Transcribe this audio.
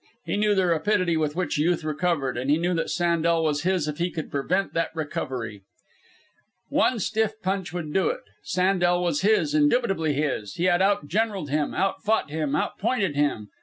He knew the rapidity with which Youth recovered, and he knew that Sandel was his if he could prevent that recovery. One stiff punch would do it. Sandel was his, indubitably his. He had out generalled him, out fought him, out pointed him.